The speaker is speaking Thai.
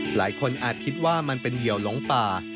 หลายคนอาจคิดว่ามันเป็นเยียวล้องป่า